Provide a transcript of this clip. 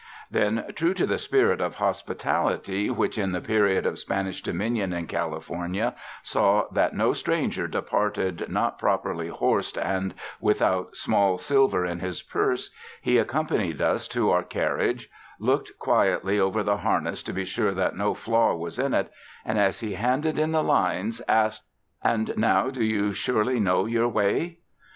Then true to the spirit of hospitality 128 SPRING DAYS IN A CARRIAGE which in the period of Spanish dominion in Califor nia saw that no stranger departed not properly horsed and without small silver in his purse, he ac companied us to our carriage, looked quietly over the harness to be sure that no flaw was in it, and as he handed in the lines, asked: "And now do you surely know your way?"